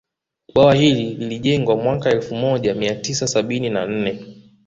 Bwawa hili lilijengwa mwaka elfu moja mia tisa sabini na nne